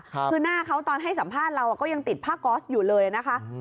คือหน้าเขาตอนให้สัมภาษณ์เราก็ยังติดผ้าก๊อสอยู่เลยนะคะ